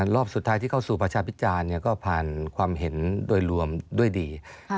รอบสุดท้ายที่เข้าสู่ประชาพิจารณ์ก็ผ่านความเห็นโดยรวมด้วยดี